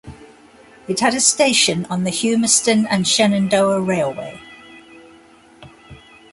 It had a station on the Humeston and Shenandoah Railway.